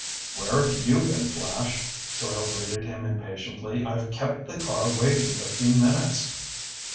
"Where've you been, Flash?" Doyle greeted him impatiently. "I've kept the car waiting fifteen minutes."